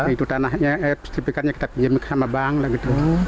itu tanahnya sertifikannya kita pinjamin sama bank lah gitu